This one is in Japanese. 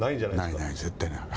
ないない、絶対にない。